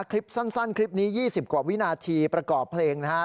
คลิปสั้นคลิปนี้๒๐กว่าวินาทีประกอบเพลงนะฮะ